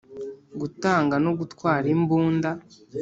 Gutanga no gutwara imbunda